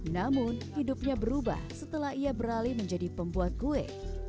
namun hidupnya berubah setelah ia beralih menjadi pembuat kue